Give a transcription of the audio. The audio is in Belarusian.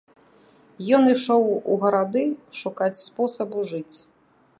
Ён ішоў у гарады шукаць спосабу жыць.